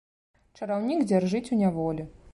Чараўнік дзяржыць ў няволі.